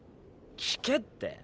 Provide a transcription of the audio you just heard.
聞けって。